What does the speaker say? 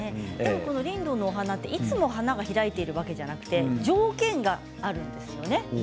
リンドウの花は花が開いているわけではなくて条件があるんですよね。